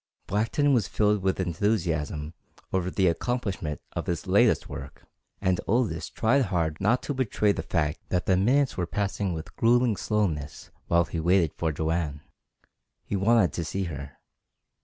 Blackton was filled with enthusiasm over the accomplishment of his latest work, and Aldous tried hard not to betray the fact that the minutes were passing with gruelling slowness while he waited for Joanne. He wanted to see her.